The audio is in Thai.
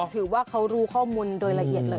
ถือว่าเขารู้ข้อมูลโดยละเอียดเลย